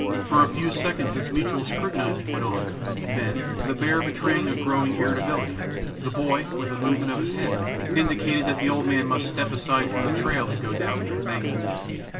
For a few seconds this mutual scrutinizing went on; then, the bear betraying a growing irritability, the boy, with a movement of his head, indicated that the old man must step aside from the trail and go down the embankment.